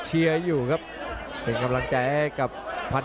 ขวางแขงขวาเจอเททิ้ง